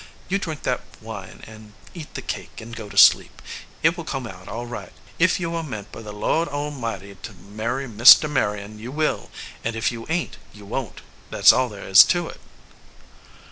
You drink that wine and eat the cake and go to sleep. It will come out all right. If you are meant by the Lord Almighty to marry Mr. Marion, you will; and if you ain t you won t. That s all there is to it."